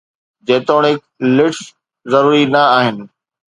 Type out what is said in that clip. جيتوڻيڪ lids ضروري نه آهن